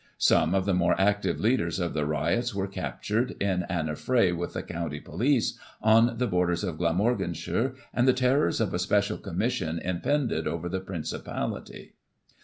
Some of the more active leaders of the riots were captured, in an affray with the County police, on the borders of Glamorganshire, and the terrors of a Special Commission impended over the Princi pality.